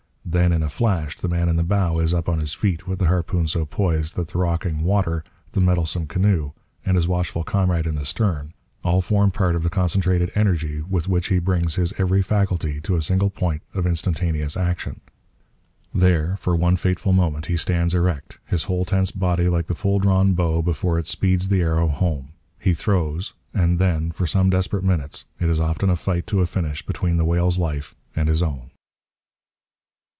Then, in a flash, the man in the bow is up on his feet, with the harpoon so poised that the rocking water, the mettlesome canoe, and his watchful comrade in the stern, all form part of the concentrated energy with which he brings his every faculty to a single point of instantaneous action. There, for one fateful moment, he stands erect, his whole tense body like the full drawn bow before it speeds the arrow home. He throws: and then, for some desperate minutes, it is often a fight to a finish between the whale's life and his own.